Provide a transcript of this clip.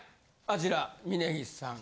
あちら峯岸さん！